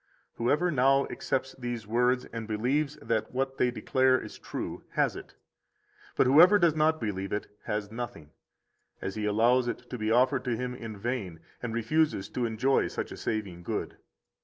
35 Whoever now accepts these words, and believes that what they declare is true, has it. But whoever does not believe it has nothing, as he allows it to be offered to him in vain, and refuses to enjoy such a saving good.